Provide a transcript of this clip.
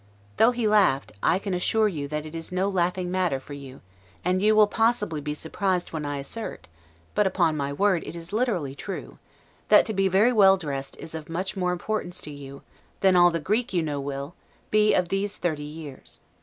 Though he laughed, I can assure you that it is no laughing matter for you; and you will possibly be surprised when I assert (but, upon my word, it is literally true), that to be very well dressed is of much more importance to you, than all the Greek you know will, be of these thirty years.